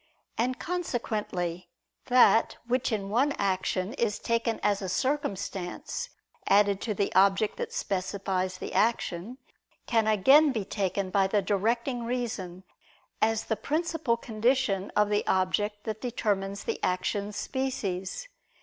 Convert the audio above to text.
And consequently that which, in one action, is taken as a circumstance added to the object that specifies the action, can again be taken by the directing reason, as the principal condition of the object that determines the action's species.